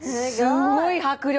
すごい迫力！